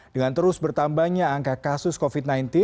dengan terus bertambahnya angka kasus covid sembilan belas